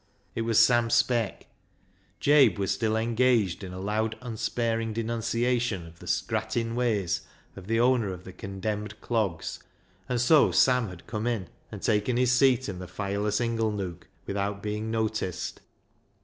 It was Sam Speck. Jabe was still engaged in a loud unsparing denunciation of the " scrattin' ways " of the owner of the condemned clogs, and so Sam had come in and taken his seat in the fireless inglenook without being noticed.